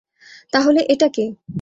তাহলে এটা কে?